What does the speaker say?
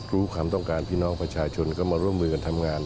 รู้ความต้องการพี่น้องประชาชนก็มาร่วมมือกันทำงาน